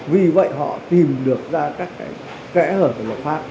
vì vậy họ tìm được ra các kẽ hở của lập pháp